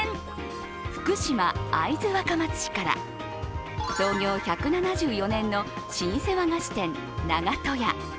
福島・会津若松市から創業１７４年の老舗和菓子店、長門屋。